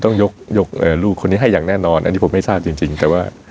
ต้องยกลูกคนนี้ให้อย่างแน่นอนอันนี้ผมไม่ทราบจริงแต่ว่า